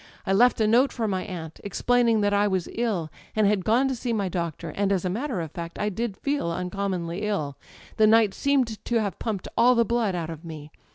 I left a note for my aunt, explaining that I was ill and had gone to see my doctor; and as a matter of fact I did feel uncommonly ill â€" ^the night seemed to have pumped all the blood out of me.